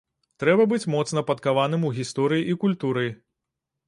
Трэба быць моцна падкаваным у гісторыі і культуры.